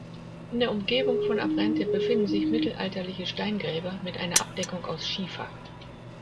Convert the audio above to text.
In der Umgebung von Abrente befinden sich mittelalterliche Steingräber mit einer Abdeckung aus Schiefer.